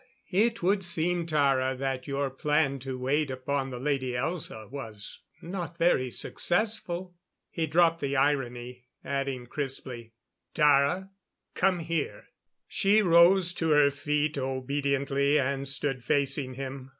It would seem, Tara, that your plan to wait upon the Lady Elza was not very successful." He dropped the irony, adding crisply: "Tara, come here!" She rose to her feet obediently, and stood facing him.